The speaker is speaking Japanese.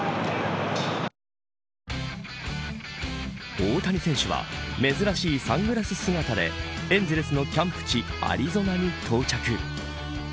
大谷選手は珍しいサングラス姿でエンゼルスのキャンプ地アリゾナに到着。